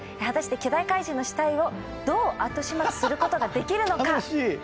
果たして巨大怪獣の死体をどう後始末することができるのか？